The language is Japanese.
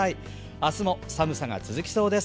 あすも寒さが続きそうです。